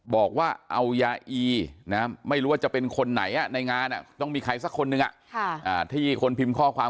บอกว่าเอายาอีไม่รู้ว่าจะเป็นคนไหนในงานต้องมีใครสักคนหนึ่งที่คนพิมพ์ข้อความ